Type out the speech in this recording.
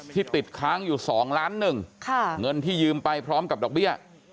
ติดค้างอยู่๒ล้านหนึ่งเงินที่ยืมไปพร้อมกับดอกเบี้ย